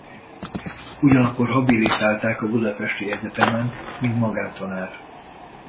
Ugyanakkor habilitálták a budapesti egyetemen mint magántanár.